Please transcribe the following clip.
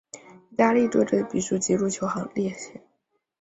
意大利队的比数及入球列前。